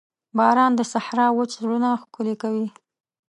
باران د صحرا وچ زړونه ښکلي کوي.